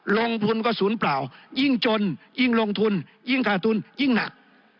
ลงทุนกระสุนเปล่ายิ่งจนยิ่งลงทุนยิ่งขาดทุนยิ่งหนัก